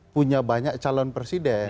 punya banyak calon presiden